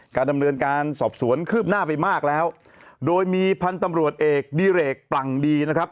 การดำเนินการสอบสวนคืบหน้าไปมากแล้วโดยมีพันธุ์ตำรวจเอกดิเรกปลั่งดีนะครับ